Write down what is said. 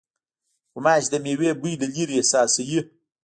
غوماشې د مېوې بوی له لېرې احساسوي.